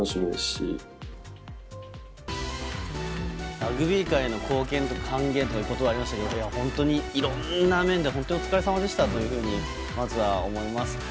ラグビー界の貢献と還元という言葉がありましたけど本当にいろんな面で本当にお疲れさまでしたとまずは思います。